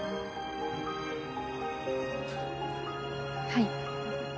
はい。